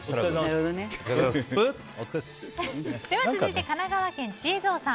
では続いて神奈川県の方。